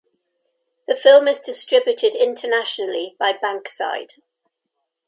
The film is distributed internationally by Bankside.